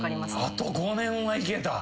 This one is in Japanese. あと５年はいけた？